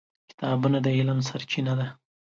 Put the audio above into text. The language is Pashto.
کتابونه د علم سرچینه ده.